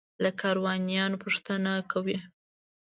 له کاروانیانو پوښتنه کوي.